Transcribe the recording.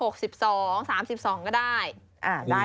๓๒ก็ได้